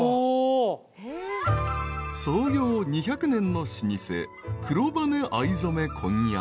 ［創業２００年の老舗］